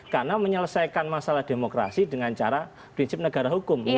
karena menyelesaikan masalah demokrasi dengan cara prinsip negara hukum